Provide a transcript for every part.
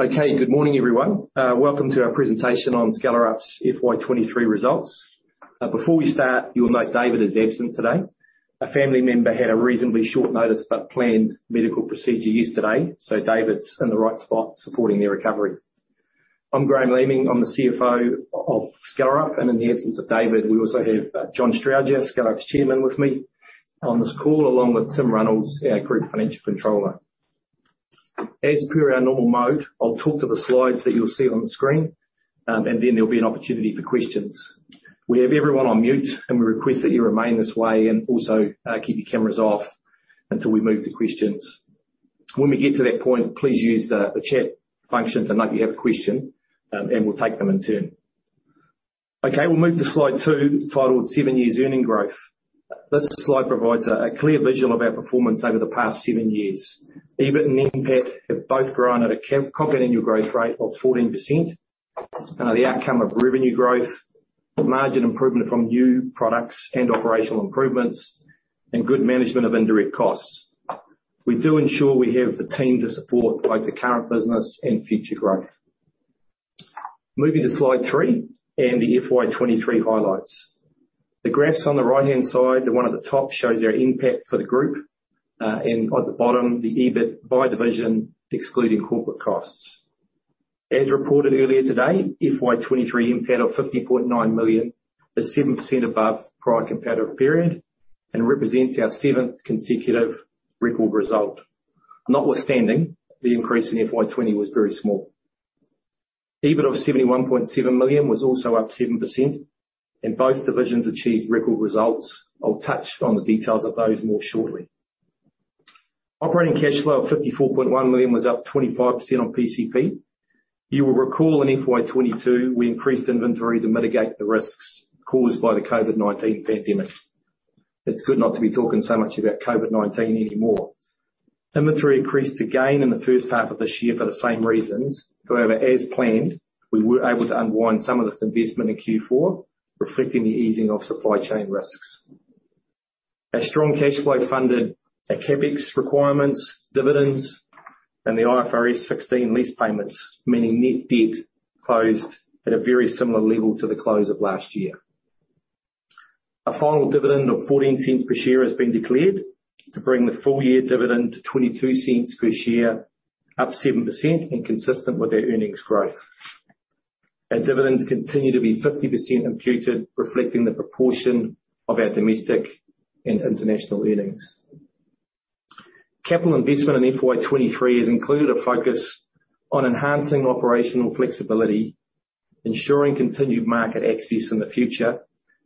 Okay, good morning, everyone. Welcome to our presentation on Skellerup's FY2023 results. Before we start, you will note David is absent today. A family member had a reasonably short notice, but planned medical procedure yesterday, so David's in the right spot supporting their recovery. I'm Graham Leaming. I'm the CFO of Skellerup, and in the absence of David, we also have John Strowger, Skellerup's Chairman, with me on this call, along with Tim Reynolds, our Group Financial Controller. As per our normal mode, I'll talk to the slides that you'll see on the screen, and then there'll be an opportunity for questions. We have everyone on mute, and we request that you remain this way, and also, keep your cameras off until we move to questions. When we get to that point, please use the chat function to note you have a question, and we'll take them in turn. Okay, we'll move to slide two, titled Seven Years Earnings Growth. This slide provides a clear visual of our performance over the past seven years. EBIT and NPAT have both grown at a compound annual growth rate of 14%. The outcome of revenue growth, margin improvement from new products and operational improvements, and good management of indirect costs. We do ensure we have the team to support both the current business and future growth. Moving to slide three and the FY2023 highlights. The graphs on the right-hand side, the one at the top, shows our NPAT for the group. And at the bottom, the EBIT by division, excluding corporate costs. As reported earlier today, FY2023 NPAT of 50.9 million is 7% above prior competitive period and represents our seventh consecutive record result. Notwithstanding, the increase in FY2020 was very small. EBIT of 71.7 million was also up 7%, and both divisions achieved record results. I'll touch on the details of those more shortly. Operating cash flow of 54.1 million was up 25% on PCP. You will recall in FY2022, we increased inventory to mitigate the risks caused by the COVID-19 pandemic. It's good not to be talking so much about COVID-19 anymore. Inventory increased again in the first half of this year for the same reasons. However, as planned, we were able to unwind some of this investment in Q4, reflecting the easing of supply chain risks. Our strong cash flow funded our CapEx requirements, dividends, and the IFRS 16 lease payments, meaning net debt closed at a very similar level to the close of last year. A final dividend of 0.14 per share has been declared to bring the full year dividend to 0.22 per share, up 7%, and consistent with our earnings growth. Our dividends continue to be 50% imputed, reflecting the proportion of our domestic and international earnings. Capital investment in FY2023 has included a focus on enhancing operational flexibility, ensuring continued market access in the future,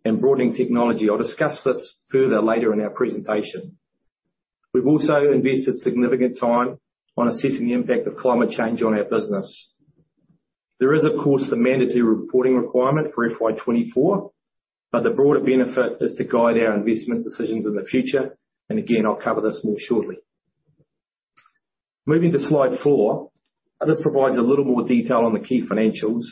and broadening technology. I'll discuss this further later in our presentation. We've also invested significant time on assessing the impact of climate change on our business. There is, of course, the mandatory reporting requirement for FY2024, but the broader benefit is to guide our investment decisions in the future, and again, I'll cover this more shortly. Moving to slide four, this provides a little more detail on the key financials.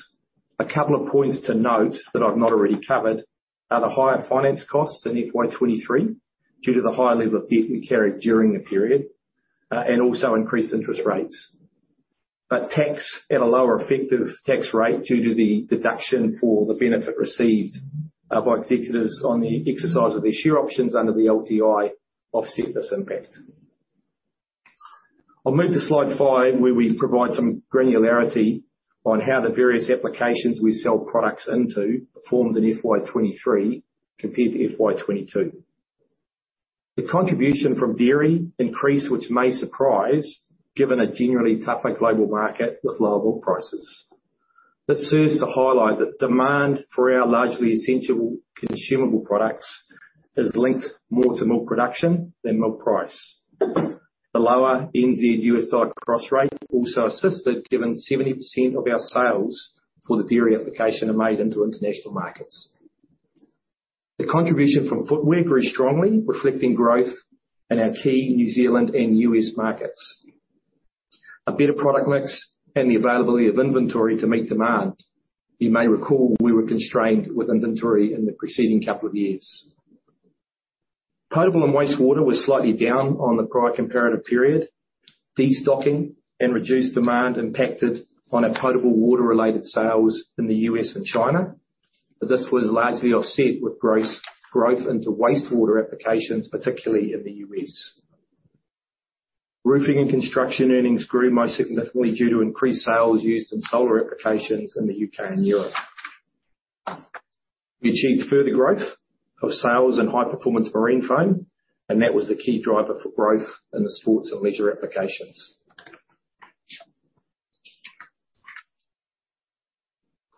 A couple of points to note that I've not already covered are the higher finance costs in FY2023, due to the higher level of debt we carried during the period, and also increased interest rates. Tax at a lower effective tax rate, due to the deduction for the benefit received by executives on the exercise of their share options under the LTI, offset this impact. I'll move to slide five, where we provide some granularity on how the various applications we sell products into performed in FY2023 compared to FY2022. The contribution from dairy increased, which may surprise, given a generally tougher global market with lower milk prices. This serves to highlight that demand for our largely essential consumable products is linked more to milk production than milk price. The lower NZD/USD cross rate also assisted, given 70% of our sales for the dairy application are made into international markets. The contribution from footwear grew strongly, reflecting growth in our key New Zealand and U.S. markets. A better product mix and the availability of inventory to meet demand. You may recall we were constrained with inventory in the preceding couple of years. Potable and wastewater was slightly down on the prior comparative period. Destocking and reduced demand impacted on our potable water-related sales in the US and China, but this was largely offset with gross growth into wastewater applications, particularly in the U.S. Roofing and construction earnings grew most significantly due to increased sales used in solar applications in the U.K. and Europe. We achieved further growth of sales in high-performance marine foam, and that was the key driver for growth in the sports and leisure applications.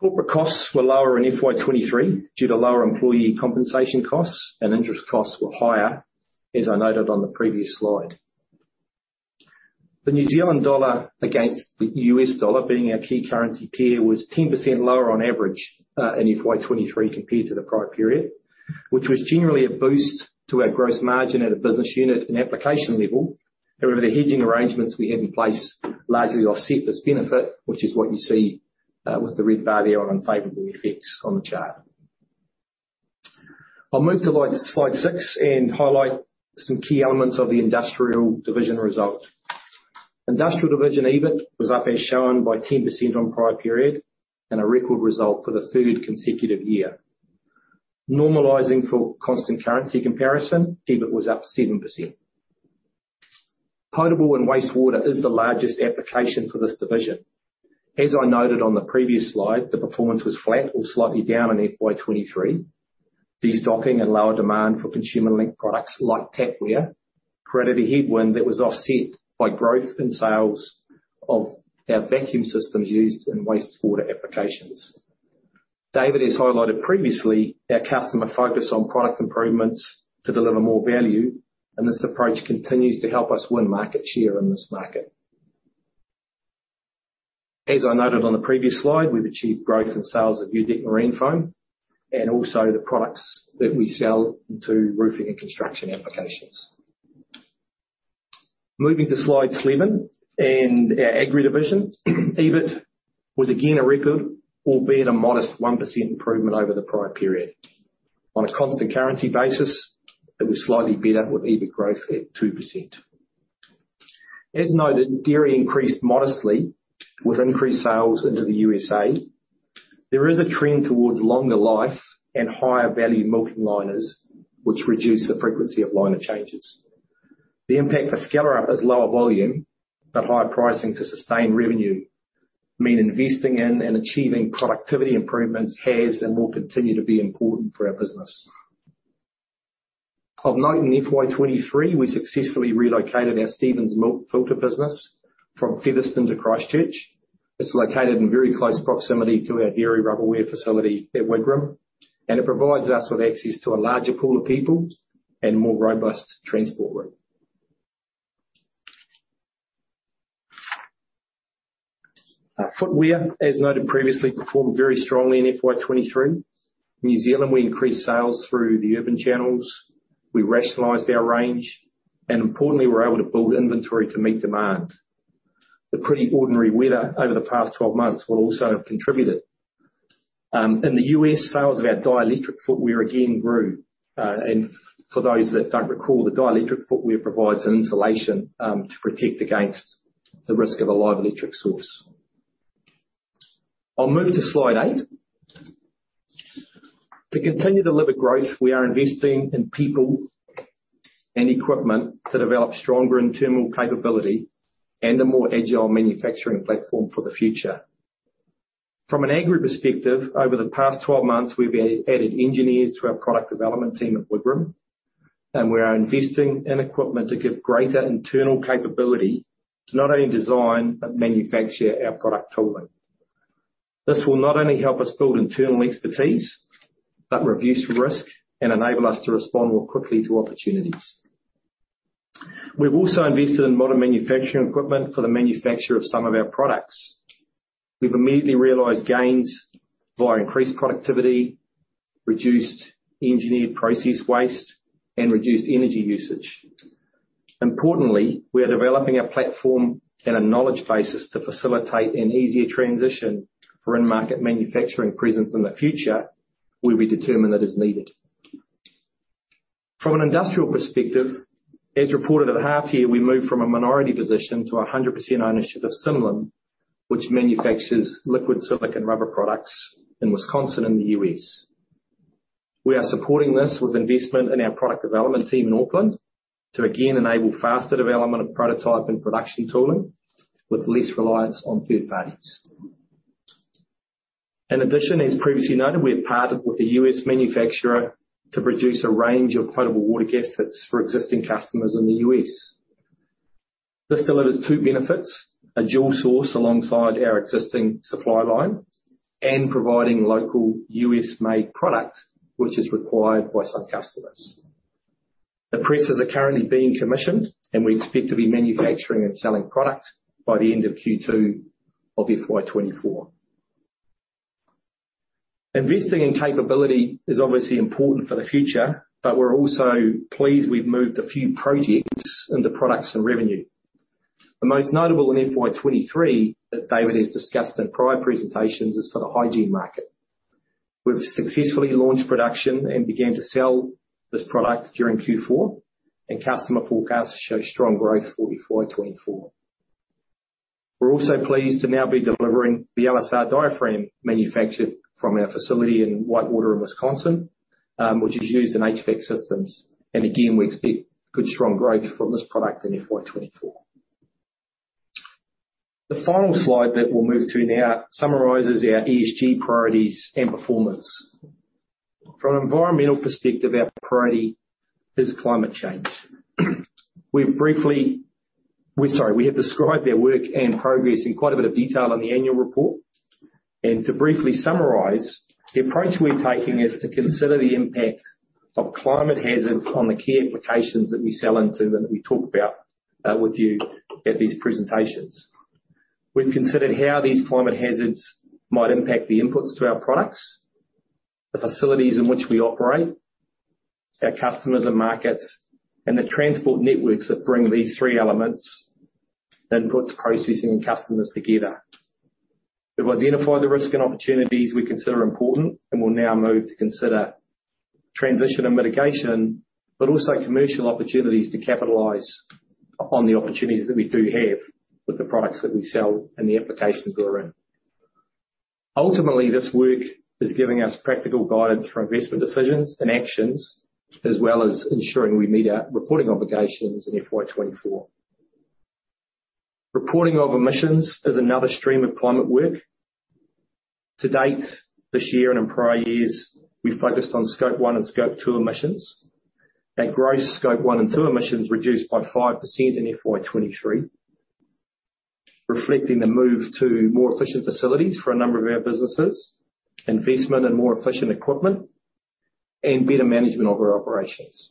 Corporate costs were lower in FY2023 due to lower employee compensation costs, and interest costs were higher, as I noted on the previous slide. The New Zealand dollar against the U.S. dollar, being our key currency pair, was 10% lower on average, in FY2023 compared to the prior period, which was generally a boost to our gross margin at a business unit and application level. However, the hedging arrangements we had in place largely offset this benefit, which is what you see, with the red bar there on unfavorable effects on the chart. I'll move to slide 6 and highlight some key elements of the Industrial Division result. Industrial Division EBIT was up, as shown, by 10% on prior period, and a record result for the third consecutive year. Normalizing for constant currency comparison, EBIT was up 7%. Potable and wastewater is the largest application for this division. As I noted on the previous slide, the performance was flat or slightly down in FY2023. Destocking and lower demand for consumer-linked products like tapware, created a headwind that was offset by growth in sales of our Vacuum Systems used in wastewater applications. David has highlighted previously, our customer focus on product improvements to deliver more value, and this approach continues to help us win market share in this market. As I noted on the previous slide, we've achieved growth in sales of U-DEK Marine Decking, and also the products that we sell into roofing and construction applications. Moving to slide seven, and our Agri Division. EBIT was again, a record, albeit a modest 1% improvement over the prior period. On a constant currency basis, it was slightly better, with EBIT growth at 2%. As noted, dairy increased modestly with increased sales into the USA. There is a trend towards longer life and higher value milking liners, which reduce the frequency of liner changes. The impact for Skellerup is lower volume, but higher pricing to sustain revenue, mean investing in and achieving productivity improvements has, and will continue to be important for our business. I'll note in FY2023, we successfully relocated our Stevens milk filter business from Featherston to Christchurch. It's located in very close proximity to our dairy rubberware facility at Wigram, and it provides us with access to a larger pool of people and more robust transport route. Our footwear, as noted previously, performed very strongly in FY2023. New Zealand, we increased sales through the urban channels, we rationalized our range, and importantly, we're able to build inventory to meet demand. The pretty ordinary weather over the past 12 months will also have contributed. In the U.S. sales of our dielectric footwear again grew. For those that don't recall, the dielectric footwear provides an insulation to protect against the risk of a live electric source. I'll move to slide eight. To continue to deliver growth, we are investing in people and equipment to develop stronger internal capability and a more agile manufacturing platform for the future. From an Agri perspective, over the past 12 months, we've added engineers to our product development team at Wigram, and we are investing in equipment to give greater internal capability to not only design, but manufacture our product tooling. This will not only help us build internal expertise, but reduce risk and enable us to respond more quickly to opportunities. We've also invested in modern manufacturing equipment for the manufacture of some of our products. We've immediately realized gains via increased productivity, reduced engineered process waste, and reduced energy usage. Importantly, we are developing a platform and a knowledge basis to facilitate an easier transition for in-market manufacturing presence in the future, where we determine that is needed. From an industrial perspective, as reported at the half year, we moved from a minority position to 100% ownership of Sim-Lim, which manufactures liquid silicone rubber products in Wisconsin, in the U.S. We are supporting this with investment in our product development team in Auckland, to again, enable faster development of prototype and production tooling, with less reliance on third parties. In addition, as previously noted, we have partnered with a U.S. manufacturer to produce a range of potable water gaskets for existing customers in the U.S. This delivers two benefits: a dual source alongside our existing supply line, and providing local U.S.-made product, which is required by some customers. The presses are currently being commissioned, and we expect to be manufacturing and selling product by the end of Q2 of FY2024. Investing in capability is obviously important for the future, we're also pleased we've moved a few projects into products and revenue. The most notable in FY2023, that David has discussed in prior presentations, is for the hygiene market. We've successfully launched production and began to sell this product during Q4, customer forecasts show strong growth for FY2024. We're also pleased to now be delivering the LSR diaphragm, manufactured from our facility in Whitewater, in Wisconsin, which is used in HVAC systems, again, we expect good, strong growth from this product in FY2024. The final slide that we'll move to now summarizes our ESG priorities and performance. From an environmental perspective, our priority is climate change. We're sorry, we have described our work and progress in quite a bit of detail on the annual report, and to briefly summarize, the approach we're taking is to consider the impact of climate hazards on the key applications that we sell into and that we talk about with you at these presentations. We've considered how these climate hazards might impact the inputs to our products, the facilities in which we operate, our customers and markets, and the transport networks that bring these three elements, inputs, processing, and customers together. We've identified the risk and opportunities we consider important, and we'll now move to consider transition and mitigation, but also commercial opportunities to capitalize upon the opportunities that we do have with the products that we sell and the applications we're in. Ultimately, this work is giving us practical guidance for investment decisions and actions, as well as ensuring we meet our reporting obligations in FY2024. Reporting of emissions is another stream of climate work. To date, this year and in prior years, we focused on Scope 1 and Scope 2 emissions. Our gross Scope 1 and Scope 2 emissions reduced by 5% in FY2023, reflecting the move to more efficient facilities for a number of our businesses, investment in more efficient equipment, and better management of our operations.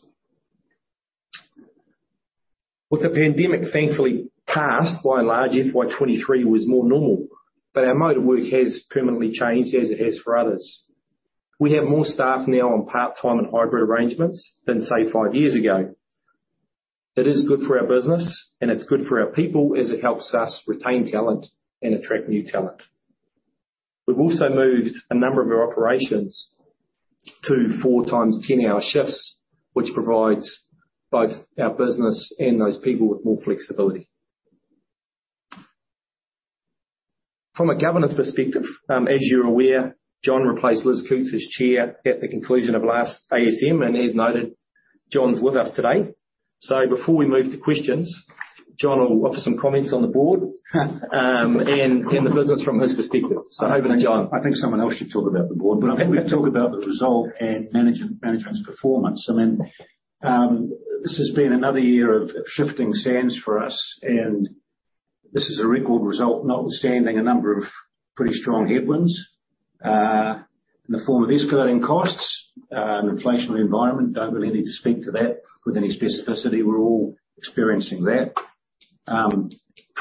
With the pandemic thankfully passed, by and large, FY2023 was more normal, but our mode of work has permanently changed, as it has for others. We have more staff now on part-time and hybrid arrangements than, say, five years ago. It is good for our business, and it's good for our people as it helps us retain talent and attract new talent. We've also moved a number of our operations to 4x 10-hour shifts, which provides both our business and those people with more flexibility. From a governance perspective, as you're aware, John replaced Liz Coutts as chair at the conclusion of last ASM. As noted, John's with us today. Before we move to questions, John will offer some comments on the board, and the business from his perspective. Over to John. I think someone else should talk about the board, but I think we can talk about the result and management, management's performance. I mean, this has been another year of, of shifting sands for us, and this is a record result, notwithstanding a number of pretty strong headwinds, in the form of escalating costs, an inflationary environment. Don't really need to speak to that with any specificity. We're all experiencing that.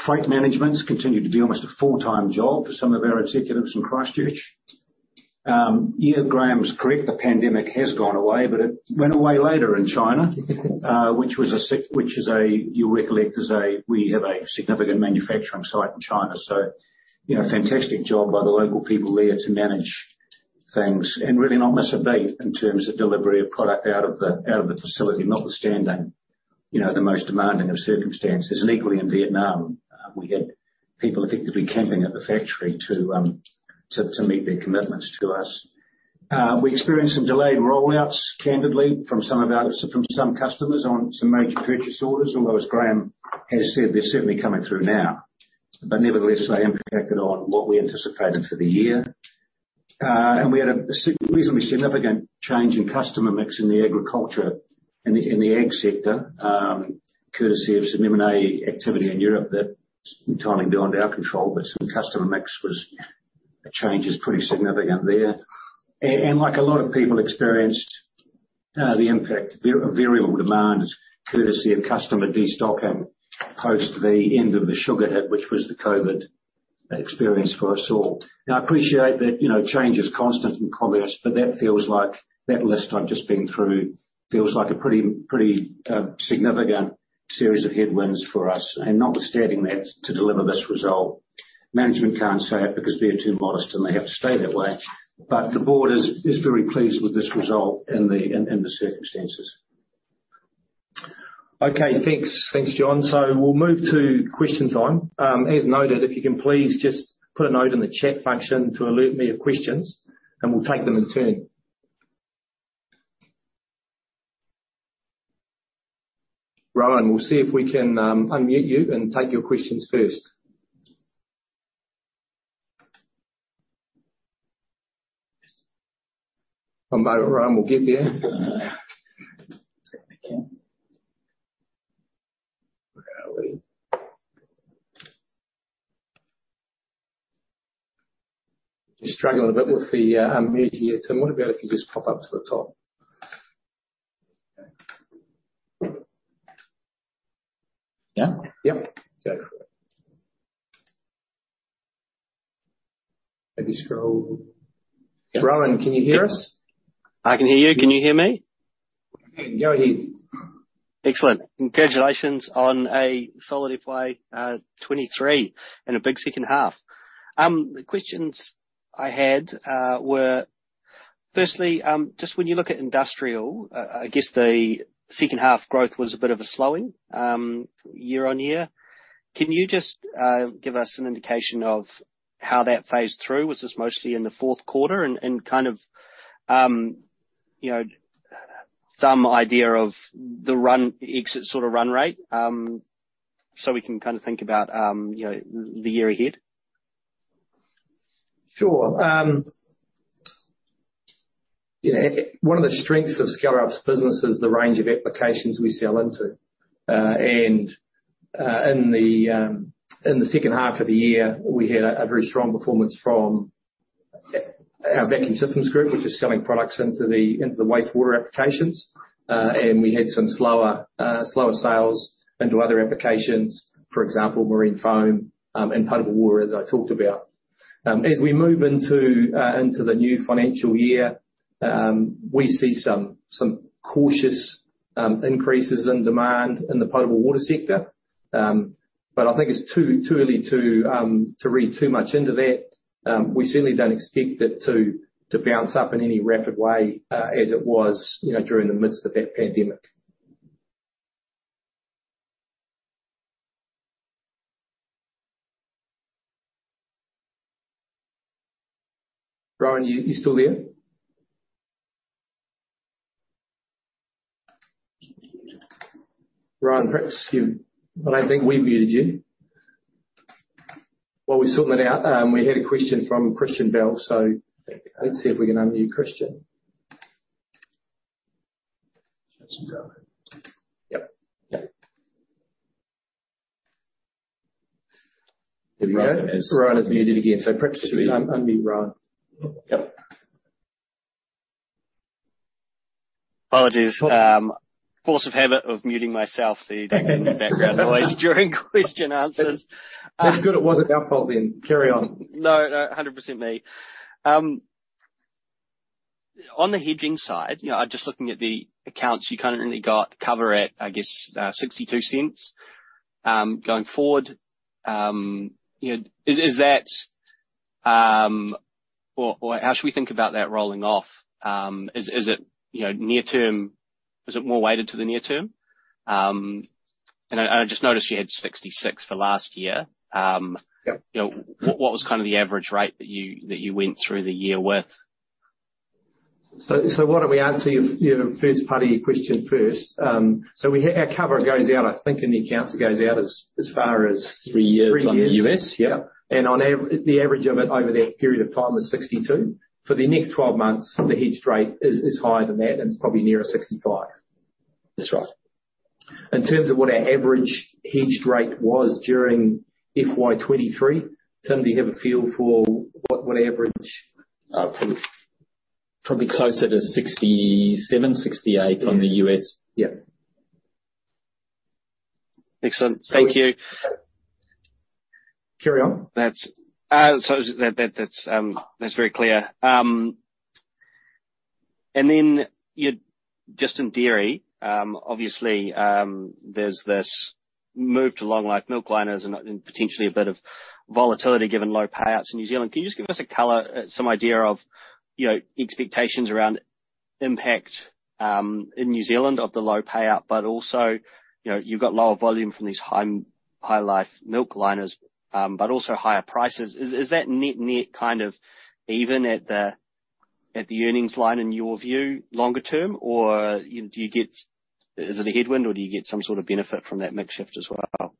Freight management's continued to be almost a full-time job for some of our executives in Christchurch. Yeah, Graham's correct. The pandemic has gone away, but it went away later in China, which is a, you'll recollect, is a, we have a significant manufacturing site in China, so, you know, fantastic job by the local people there to manage things and really not miss a beat in terms of delivery of product out of the, out of the facility, notwithstanding, you know, the most demanding of circumstances. Equally, in Vietnam, we had people effectively camping at the factory to, to meet their commitments to us. We experienced some delayed rollouts, candidly, from some of our, from some customers on some major purchase orders, although, as Graham has said, they're certainly coming through now. Nevertheless, they impacted on what we anticipated for the year. We had a reasonably significant change in customer mix in the agriculture, in the ag sector, courtesy of some M&A activity in Europe that entirely beyond our control, some customer mix was, the change is pretty significant there. Like a lot of people experienced, the impact of variable demand, courtesy of customer destocking post the end of the sugar hit, which was the COVID experience for us all. I appreciate that, you know, change is constant in commerce, that feels like, that list I've just been through, feels like a pretty, pretty significant series of headwinds for us, notwithstanding that, to deliver this result. Management can't say it because they are too modest, and they have to stay that way, but the board is, is very pleased with this result in the, in, in the circumstances. Okay. Thanks. Thanks, John. We'll move to question time. As noted, if you can please just put a note in the chat function to alert me of questions, and we'll take them in turn. Rohan, we'll see if we can unmute you and take your questions first. One moment, Rohan, we'll get there. Okay. Where are we? Just struggling a bit with the, unmute here, so I wonder if you could just pop up to the top. Yeah? Yep. Go for it. Maybe scroll. Rohan, can you hear us? I can hear you. Can you hear me? We can. Go ahead. Excellent. Congratulations on a solid FY2023 and a big second half. The questions I had were firstly, just when you look at Industrial, I guess the second half growth was a bit of a slowing year-over-year. Can you just give us an indication of how that phased through? Was this mostly in the fourth quarter? And kind of, you know, some idea of the run, exit, sort of, run rate, so we can kind of think about, you know, the year ahead. Sure. you know, one of the strengths of Skellerup's business is the range of applications we sell into. In the second half of the year, we had a very strong performance from our Vacuum Systems group, which is selling products into the, into the wastewater applications. We had some slower, slower sales into other applications, for example, marine foam, and potable water, as I talked about. As we move into the new financial year, we see some cautious increases in demand in the potable water sector. I think it's too, too early to read too much into that. We certainly don't expect it to, to bounce up in any rapid way, as it was, you know, during the midst of that pandemic. Ryan, are you still there? Ryan, perhaps. Well, I think we muted you. While we sort that out, we had a question from Christian Bell. Let's see if we can unmute Christian. Yep. Yep. There we go. Ryan is muted again. Perhaps if you can unmute Ryan. Yep. Apologies. Force of habit of muting myself so you don't get any background noise during question answers. That's good. It wasn't our fault then. Carry on. No, no, 100% me. On the hedging side, you know, just looking at the accounts, you kind of really got cover at, I guess, $0.62. Going forward, you know, how should we think about that rolling off? Is it, you know, near term, is it more weighted to the near term? I just noticed you had $0.66 for last year. Yep. You know, what was kind of the average rate that you went through the year with? So why don't we answer your, your first part of your question first? So Our cover goes out, I think, in the accounts, it goes out as, as far as three years... 3 years. On the US. Yeah. The average of it over that period of time is $0.62. For the next 12 months, the hedged rate is higher than that, it's probably nearer $0.65. That's right. In terms of what our average hedged rate was during FY2023, Tim, do you have a feel for what, what average? Probably closer to $0.67, $0.68 on the U.S. Yeah. Excellent. Thank you. Carry on. That's, so that, that, that's, that's very clear. Then just in dairy, obviously, there's this move to long-life milking liners and, and potentially a bit of volatility, given low payouts in New Zealand. Can you just give us a color, some idea of, you know, expectations around impact, in New Zealand, of the low payout, but also, you know, you've got lower volume from these high-life milking liners, but also higher prices. Is, is that net-net kind of even at the, at the earnings line, in your view, longer term? Or do you get... Is it a headwind, or do you get some sort of benefit from that mix shift as well?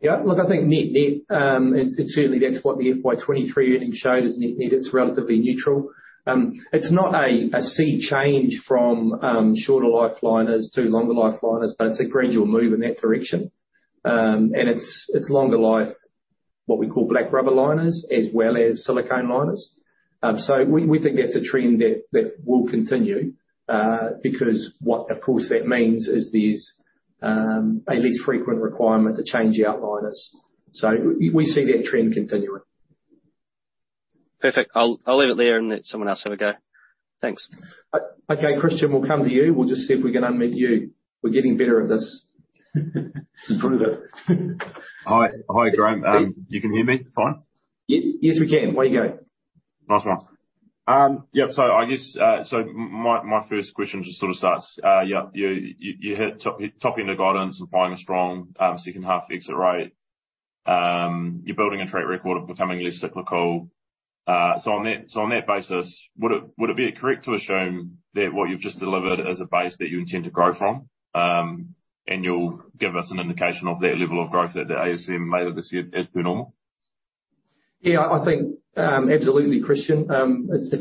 Yeah. Look, I think net-net, it's, it's certainly that's what the FY2023 earnings showed, is net-net, it's relatively neutral. It's not a, a sea change from, shorter life liners to longer life liners, but it's a gradual move in that direction. It's, it's longer life, what we call black rubber liners, as well as silicone liners. We, we think that's a trend that, that will continue, because what, of course, that means is there's, a less frequent requirement to change out liners. We see that trend continuing. Perfect. I'll, I'll leave it there and let someone else have a go. Thanks. Okay, Christian, we'll come to you. We'll just see if we can unmute you. We're getting better at this. Through the... Hi, hi, Graham. You can hear me fine? Yes, we can. Away you go. Nice one. Yep, I guess my first question just sort of starts, yeah, you hit top, top end of guidance and flying strong, second half exit, right? You're building a track record of becoming less cyclical. On that, on that basis, would it be correct to assume that what you've just delivered is a base that you intend to grow from? You'll give us an indication of that level of growth at the ASM later this year as per normal? Yeah, I think, absolutely Christian. It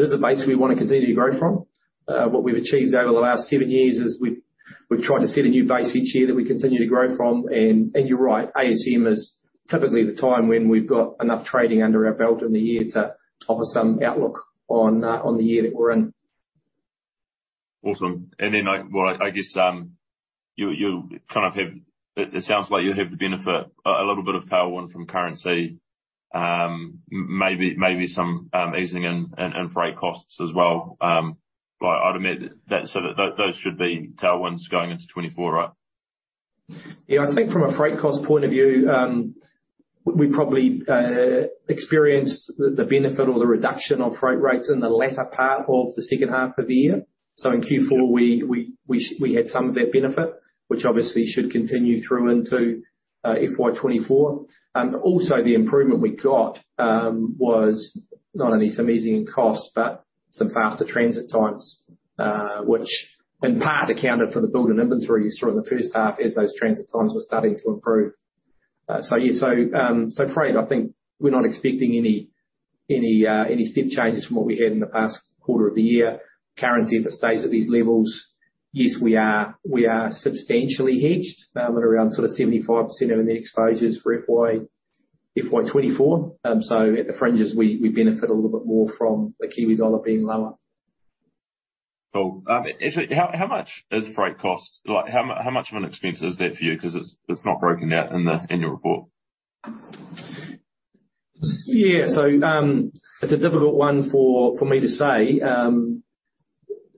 is a base we want to continue to grow from. What we've achieved over the last seven years is we've tried to set a new base each year that we continue to grow from. You're right, ASM is typically the time when we've got enough trading under our belt in the year to offer some outlook on the year that we're in. Awesome. Well, I guess, you kind of have... It sounds like you have the benefit, a little bit of tailwind from currency, maybe some easing in freight costs as well. Like, I'd admit that, those should be tailwinds going into FY2024, right? Yeah. I think from a freight cost point of view, we probably experienced the benefit or the reduction of freight rates in the latter part of the second half of the year. In Q4, we had some of that benefit, which obviously should continue through into FY2024. Also the improvement we got was not only some easing in costs, but some faster transit times, which in part accounted for the build in inventories during the first half as those transit times were starting to improve. Freight, I think we're not expecting any steep changes from what we had in the past quarter of the year. Currency, if it stays at these levels, yes, we are, we are substantially hedged, at around sort of 75% of the exposures for FY 2024. At the fringes, we, we benefit a little bit more from the Kiwi dollar being lower. Cool. Actually, how, how much is freight cost? Like, how much of an expense is that for you? Because it's, it's not broken down in the annual report. Yeah. it's a difficult one for, for me to say,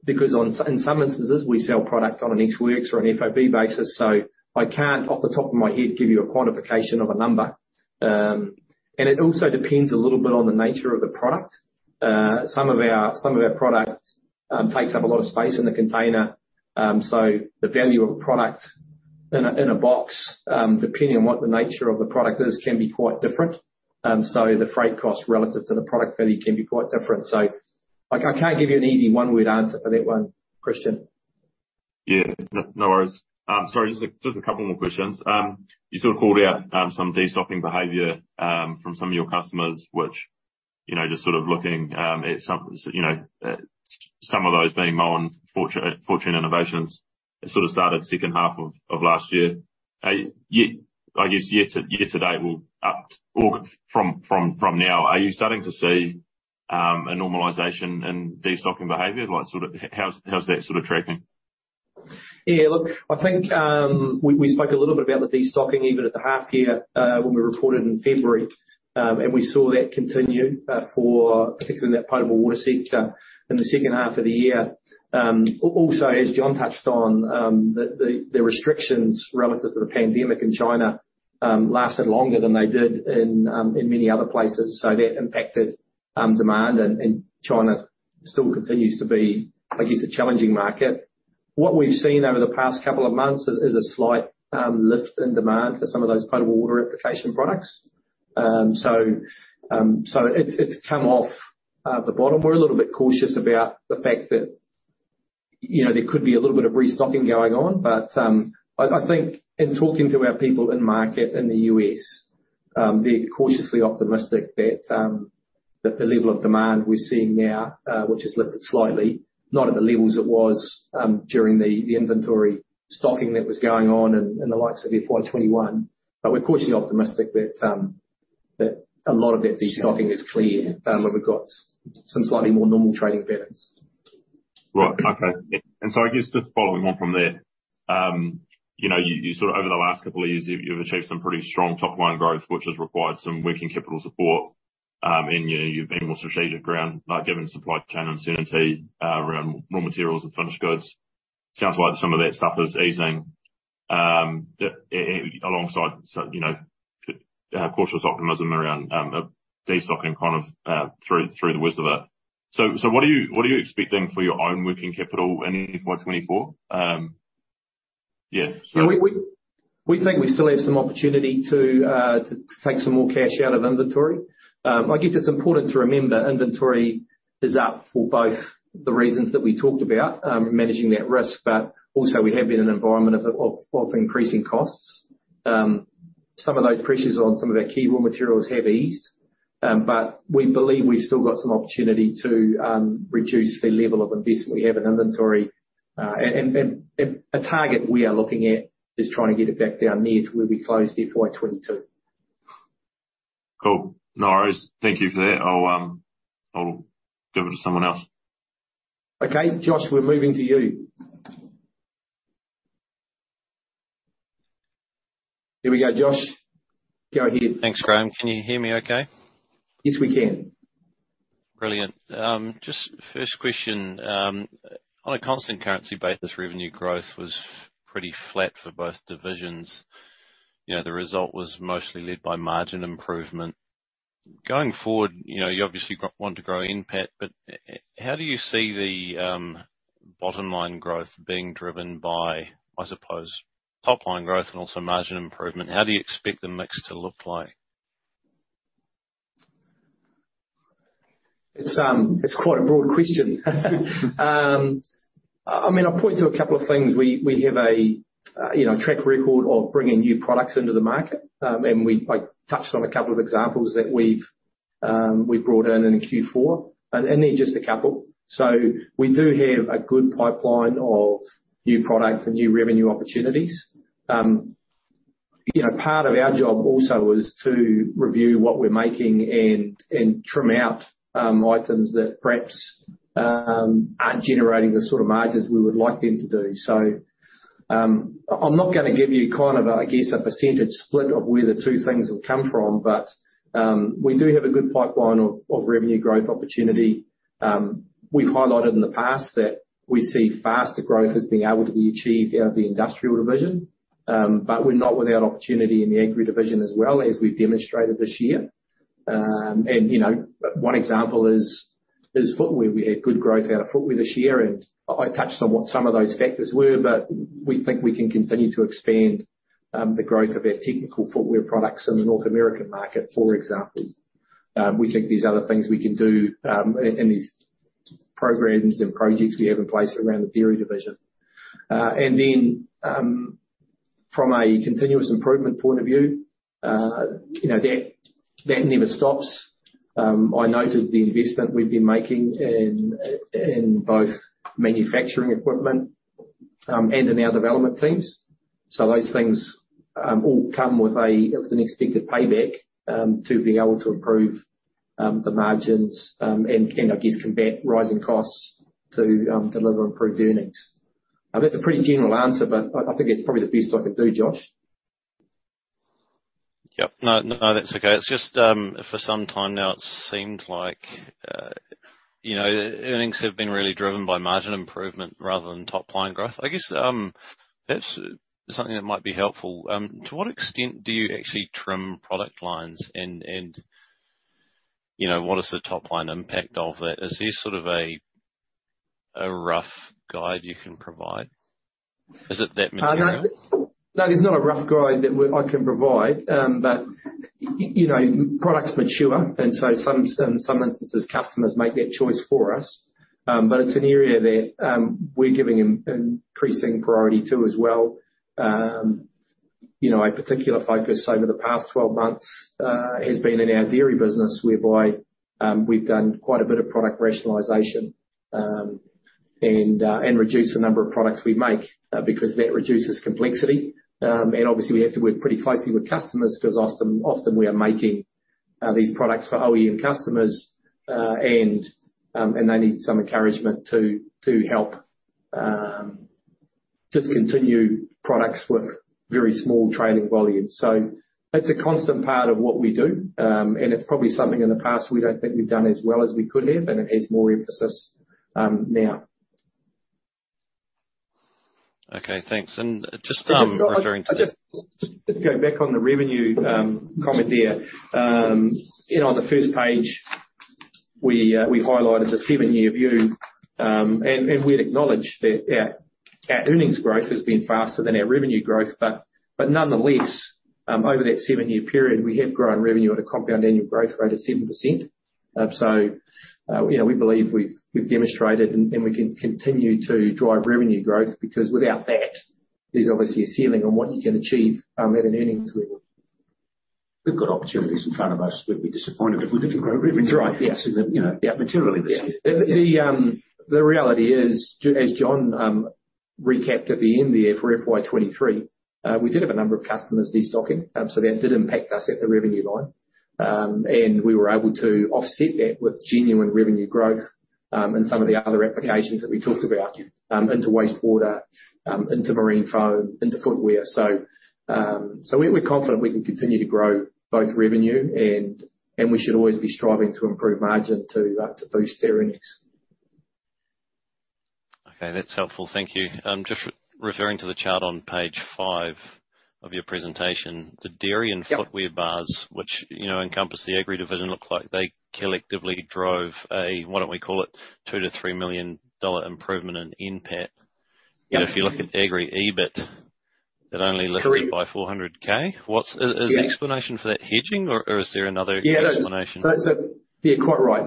because in some instances, we sell product on an Ex Works or an FOB basis. I can't, off the top of my head, give you a quantification of a number. It also depends a little bit on the nature of the product. Some of our, some of our product, takes up a lot of space in the container. The value of a product in a, in a box, depending on what the nature of the product is, can be quite different. The freight cost relative to the product value can be quite different. I, I can't give you an easy one-word answer for that one, Christian. Yeah. No, no worries. Sorry, just a couple more questions. You sort of called out some destocking behavior from some of your customers, which, you know, just sort of looking at some, you know, some of those being Moen, Fortune Innovations, it sort of started second half of last year. I guess year to date, are you starting to see a normalization in destocking behavior? Like, sort of, how's that sort of tracking? Yeah, look, I think we, we spoke a little bit about the destocking, even at the half year, when we reported in February. We saw that continue for particularly in that potable water sector in the second half of the year. Also, as John touched on, the restrictions relative to the pandemic in China lasted longer than they did in many other places, so that impacted demand. China still continues to be, I guess, a challenging market. What we've seen over the past couple of months is, is a slight lift in demand for some of those potable water application products. So it's, it's come off the bottom. We're a little bit cautious about the fact that, you know, there could be a little bit of restocking going on, but, I, I think in talking to our people in market, in the US, they're cautiously optimistic that, that the level of demand we're seeing now, which has lifted slightly, not at the levels it was, during the, the inventory stocking that was going on in, in the likes of FY2021. We're cautiously optimistic that, that a lot of that destocking is cleared, and that we've got some slightly more normal trading patterns. Right. Okay. I guess, just following on from there, you know, you, you sort of over the last couple of years, you've, you've achieved some pretty strong top line growth, which has required some working capital support. You know, you've been more strategic around, like, given supply chain uncertainty, around raw materials and finished goods. Sounds like some of that stuff is easing, alongside, you know, cautious optimism around a destocking kind of, through, through the worst of it. What are you, what are you expecting for your own working capital in FY2024? Yeah, We think we still have some opportunity to take some more cash out of inventory. I guess it's important to remember, inventory is up for both the reasons that we talked about, managing that risk, but also we have been in an environment of increasing costs. Some of those pressures on some of our key raw materials have eased, but we believe we've still got some opportunity to reduce the level of investment we have in inventory. A target we are looking at is trying to get it back down near to where we closed FY2022. Cool. No worries. Thank you for that. I'll, I'll give it to someone else. Okay. Josh, we're moving to you. Here we go, Josh, go ahead. Thanks, Graham. Can you hear me okay? Yes, we can. Brilliant. Just first question, on a constant currency basis, revenue growth was pretty flat for both divisions. You know, the result was mostly led by margin improvement. Going forward, you know, you obviously want to grow NPAT, but how do you see the bottom line growth being driven by, I suppose, top line growth and also margin improvement? How do you expect the mix to look like? It's, it's quite a broad question. I, I mean, I'll point to a couple of things. We, we have a, you know, track record of bringing new products into the market. We-- I touched on a couple of examples that we've, we've brought in, in Q4, and, and they're just a couple. We do have a good pipeline of new product and new revenue opportunities. You know, part of our job also is to review what we're making and, and trim out, items that perhaps, aren't generating the sort of margins we would like them to do. I'm not gonna give you kind of a, I guess, a percentage split of where the two things will come from, but, we do have a good pipeline of, of revenue growth opportunity. We've highlighted in the past that we see faster growth as being able to be achieved out of the Industrial Division, but we're not without opportunity in the Agri Division as well, as we've demonstrated this year. You know, one example is, is footwear. We had good growth out of footwear this year, and I touched on what some of those factors were, but we think we can continue to expand the growth of our technical footwear products in the North American market, for example. We think there's other things we can do, and these programs and projects we have in place around the dairy division. From a continuous improvement point of view, you know, that, that never stops. I noted the investment we've been making in, in both manufacturing equipment and in our development teams. Those things, all come with a, an expected payback, to being able to improve, the margins, and, and I guess combat rising costs to, deliver improved earnings. That's a pretty general answer, but I, I think it's probably the best I could do, Josh. Yep. No, no, that's okay. It's just, for some time now, it's seemed like, you know, earnings have been really driven by margin improvement rather than top line growth. I guess, that's something that might be helpful. To what extent do you actually trim product lines? You know, what is the top line impact of that? Is there sort of a, a rough guide you can provide? Is it that material? No. No, there's not a rough guide that we, I can provide. You know, products mature, and so some, in some instances, customers make that choice for us. It's an area that we're giving an increasing priority to as well. You know, a particular focus over the past 12 months has been in our dairy business, whereby we've done quite a bit of product rationalization and reduced the number of products we make because that reduces complexity. Obviously, we have to work pretty closely with customers, 'cause often, often we are making these products for OEM customers. They need some encouragement to, to help discontinue products with very small trading volumes. That's a constant part of what we do, and it's probably something in the past we don't think we've done as well as we could have, and it has more emphasis, now. Okay, thanks. Just referring to- Just to go back on the revenue, comment there. You know, on the first page, we, we highlighted the seven-year view. We had acknowledged that our, our earnings growth has been faster than our revenue growth, nonetheless, over that seven-year period, we have grown revenue at a compound annual growth rate of 7%. You know, we believe we've, we've demonstrated and, and we can continue to drive revenue growth, because without that, there's obviously a ceiling on what you can achieve, at an earnings level. We've got opportunities in front of us. We'd be disappointed if we didn't grow revenue. Right. Yeah. You know, materially this year. The reality is, as John recapped at the end there, for FY2023, we did have a number of customers destocking, that did impact us at the revenue line. We were able to offset that with genuine revenue growth, and some of the other applications that we talked about, into wastewater, into marine foam, into footwear. We're confident we can continue to grow both revenue and we should always be striving to improve margin to boost our earnings. Okay, that's helpful. Thank you. Just referring to the chart on page 5 of your presentation, the dairy... Yep... and footwear bars, which, you know, encompass the Agri Division, look like they collectively drove a, why don't we call it, 2 million-3 million dollar improvement in NPAT. Yeah. If you look at Agri EBIT, it only lifted by 400K. Correct. What's... Is the explanation for that hedging, or is there another explanation? Quite right.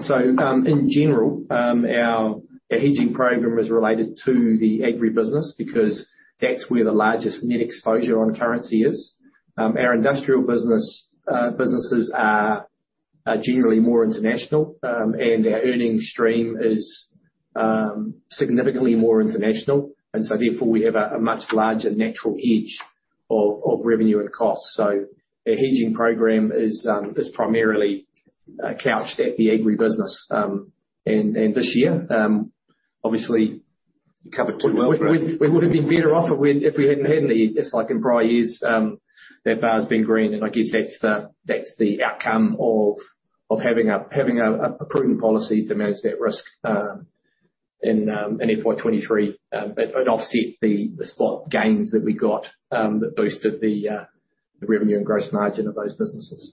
In general, our hedging program is related to the Agri business, because that's where the largest net exposure on currency is. Our Industrial businesses are generally more international, and our earnings stream is significantly more international, and so therefore, we have a much larger natural hedge of revenue and cost. Our hedging program is primarily couched at the Agri business. And this year, Covered pretty well for it. We, we, we would have been better off if we, if we hadn't had any. Just like in prior years, that bar's been green, and I guess that's the, that's the outcome of, of having a, having a, a prudent policy to manage that risk, inFY2023, and, and offset the, the spot gains that we got, that boosted the, the revenue and gross margin of those businesses.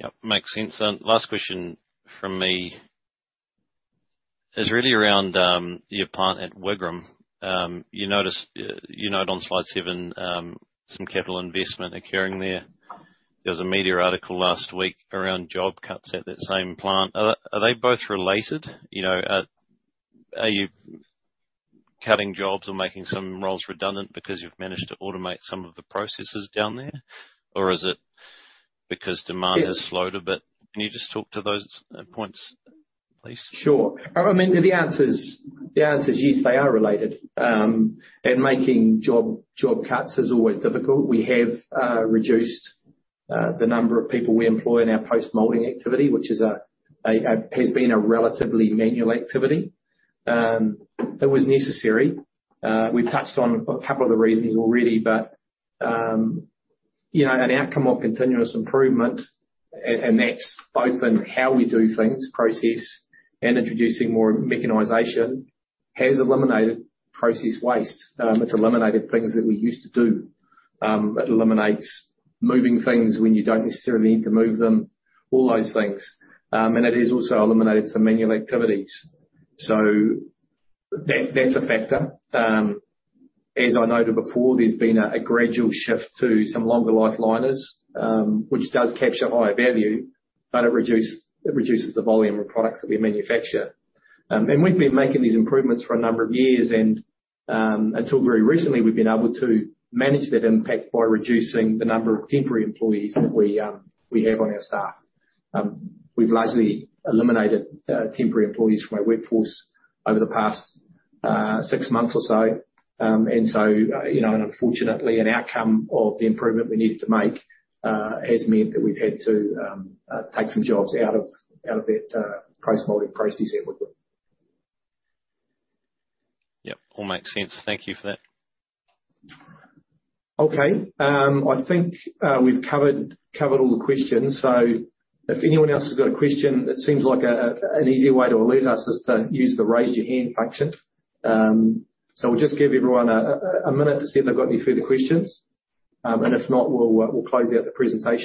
Yep, makes sense. Last question from me is really around your plant at Wigram. You noticed, you note on slide seven, some capital investment occurring there. There was a media article last week around job cuts at that same plant. Are, are they both related? You know, are you cutting jobs or making some roles redundant because you've managed to automate some of the processes down there? Or is it because demand- Yeah... has slowed a bit? Can you just talk to those points, please? Sure. I mean, the answer is, the answer is, yes, they are related. Making job, job cuts is always difficult. We have reduced the number of people we employ in our post-molding activity, which is a, a, has been a relatively manual activity. It was necessary. We've touched on a couple of the reasons already, but, you know, an outcome of continuous improvement, and, and that's both in how we do things, process, and introducing more mechanization, has eliminated process waste. It's eliminated things that we used to do. It eliminates moving things when you don't necessarily need to move them, all those things. It has also eliminated some manual activities. That, that's a factor. As I noted before, there's been a, a gradual shift to some longer life liners, which does capture higher value, but it reduces the volume of products that we manufacture. We've been making these improvements for a number of years, and, until very recently, we've been able to manage that impact by reducing the number of temporary employees that we, we have on our staff. We've largely eliminated temporary employees from our workforce over the past six months or so. So, you know, unfortunately, an outcome of the improvement we needed to make has meant that we've had to take some jobs out of, out of that post-molding process at Wigram. Yep. All makes sense. Thank you for that. Okay, I think we've covered, covered all the questions. If anyone else has got a question, it seems like an easy way to alert us is to use the Raise Your Hand function. We'll just give everyone a minute to see if they've got any further questions. If not, we'll close out the presentation.